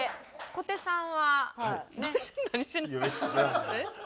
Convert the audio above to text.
小手さん